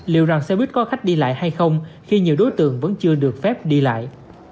liệu rằng xe buýt có khách đi lại hay không khi nhiều đối tượng vẫn chưa được phép đi lại